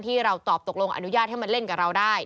ที่เราตอบตกลงอนุญาตให้มาเล่นกับเราได้